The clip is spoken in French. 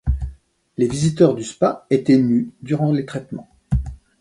Les visiteurs du spa étaient nus durant les traitements.